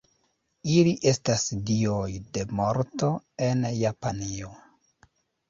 Ili estas dioj de morto en Japanio.